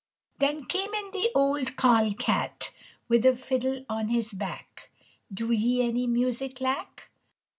Then came in the old carl cat With a fiddle on his back: "Do ye any music lack?"